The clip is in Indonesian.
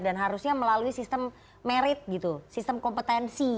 dan harusnya melalui sistem merit gitu sistem kompetensi